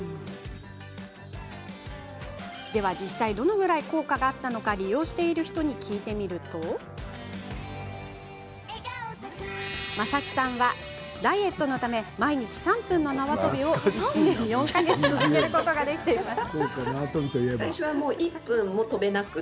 では実際どのくらい効果があったのか利用している人に聞いてみると正木さんは、ダイエットのため毎日３分の縄跳びを１年４か月続けることができています。